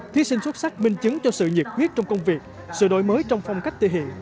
thí sinh xuất sắc minh chứng cho sự nhiệt huyết trong công việc sự đổi mới trong phong cách thể hiện